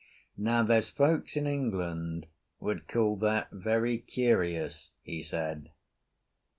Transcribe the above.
"Now there's folks in England would call that very curious," he said.